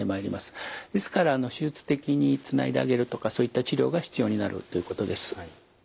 ですから手術的につないであげるとかそういった治療が必要になるということです。